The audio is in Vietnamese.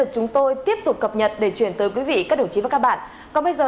của tổ quốc